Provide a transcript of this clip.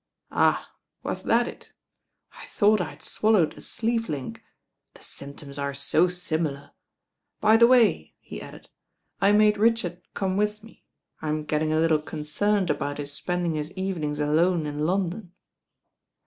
"Ahl was that it? I thought I had swaUowed a sleeve hnk, the symptoms are so similar. By the way," he added, "I made Richard come with me, I m gettmg a little concerned about his spending his evenings alone in London."